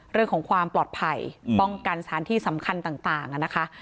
เรื่องของความปลอดภัยป้องกันสถานที่สำคัญต่างนะคะ